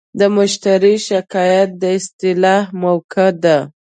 د مشتری شکایت د اصلاح موقعه ده.